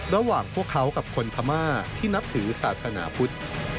ระหว่างพวกเขากับคนพม่าที่นับถือศาสนาพุทธ